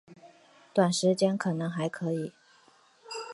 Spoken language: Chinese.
短时间可能还可以